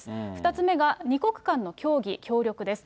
２つ目が２国間の協議・協力です。